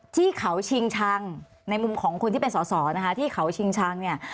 ที่เขาชิงชังในมุมของคนที่เป็นสอสอนะคะที่เขาชิงชังเนี่ย